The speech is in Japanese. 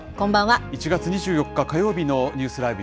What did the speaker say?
１月２４日火曜日のニュースＬＩＶＥ！